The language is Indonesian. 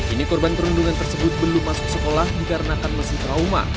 ini korban perundungan tersebut belum masuk sekolah dikarenakan masih trauma